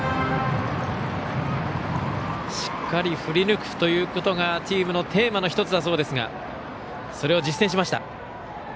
しっかり振り抜くということがチームのテーマの１つだそうですがそれを実践しました。